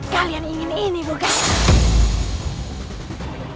kalian ingin ini bukan